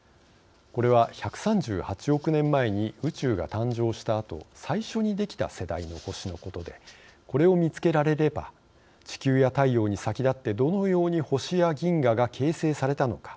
これは１３８億年前に宇宙が誕生したあと最初に出来た世代の星のことでこれを見つけられれば地球や太陽に先立ってどのように星や銀河が形成されたのか。